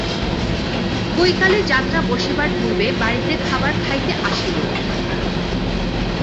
বৈকালে যাত্রা বসিবার পূর্বে বাড়িতে খাবার খাইতে আসিল।